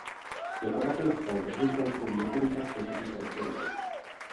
Jako atletka je držitelkou několika světových rekordů.